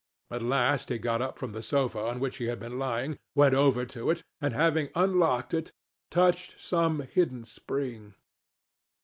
At last he got up from the sofa on which he had been lying, went over to it, and having unlocked it, touched some hidden spring.